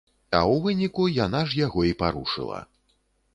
А ў выніку яна ж яго і парушыла.